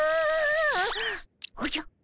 おじゃ？